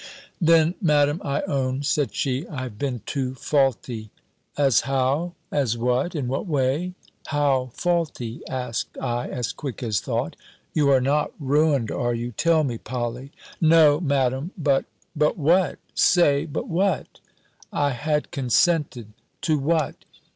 "Then, Madam, I own," said she, "I have been too faulty." "As how? As what? In what way? How faulty?" asked I, as quick as thought: "you are not ruined, are you? Tell me, Polly!" "No, Madam, but " "But what? Say, but what?" "I had consented " "To what?"